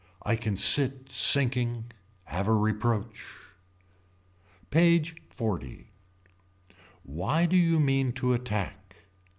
I can sit sinking. Have a reproach. PAGE XL. Why do you mean to attack.